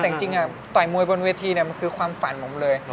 แต่จริงต่อยมวยบนเวทีมันคือความฝันผมเลย